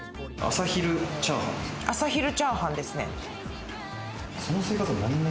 朝昼チャーハンですね。